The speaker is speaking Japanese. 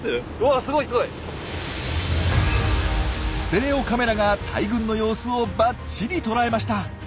ステレオカメラが大群の様子をばっちり捉えました。